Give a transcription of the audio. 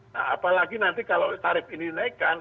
nah apalagi nanti kalau tarif ini naikkan